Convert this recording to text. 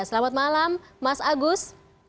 selamat malam mas agus